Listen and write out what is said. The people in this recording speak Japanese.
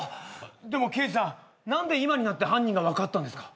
でも刑事さん何で今になって犯人が分かったんですか？